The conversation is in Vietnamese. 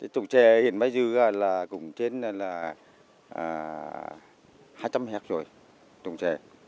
tổng trè hiện bây giờ là cũng trên hai trăm linh hạt rồi tổng trè